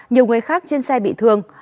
nhiều người khác trên xe bị thương